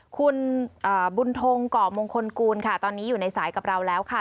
คุณบุญทงก่อมงคลกูลค่ะตอนนี้อยู่ในสายกับเราแล้วค่ะ